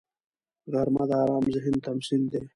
غرمه د آرام ذهن تمثیل دی